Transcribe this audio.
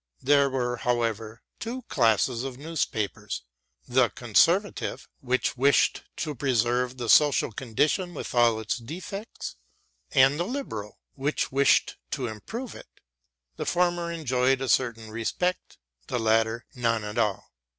There were, however, two classes of newspapers; the conservative, which wished to preserve the social condition with all its defects, and the liberal, which wished to improve it. The former enjoyed a certain respect, the latter, none at all.